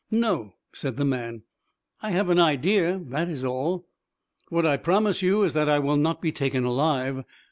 "No," said the man; "I have an idea, that is all. What I promise you is that I will not be taken alive.